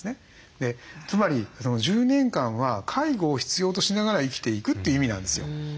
つまり１０年間は介護を必要としながら生きていくという意味なんですよ。